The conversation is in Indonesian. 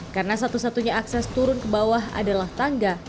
karena satu satunya akses turun ke bawah adalah tangga